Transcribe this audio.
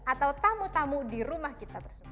atau tamu tamu di rumah kita tersebut